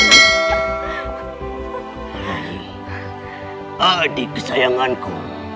rai adik kesayanganku